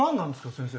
先生。